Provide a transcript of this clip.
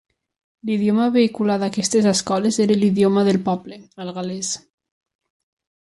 L'idioma vehicular d'aquestes escoles era l'idioma del poble, el gal·lès.